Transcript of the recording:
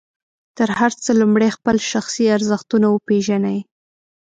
تر هر څه لومړی خپل شخصي ارزښتونه وپېژنئ.